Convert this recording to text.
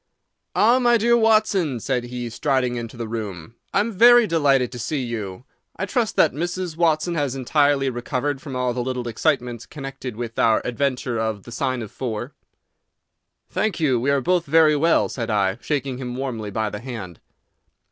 "Ah, my dear Watson," said he, striding into the room, "I am very delighted to see you! I trust that Mrs. Watson has entirely recovered from all the little excitements connected with our adventure of the Sign of Four." "Thank you, we are both very well," said I, shaking him warmly by the hand.